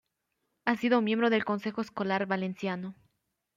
Ha sido miembro del Consejo Escolar Valenciano.